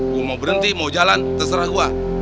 gua mau berhenti mau jalan terserah gua